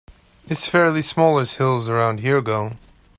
It's fairly small as hills around here go.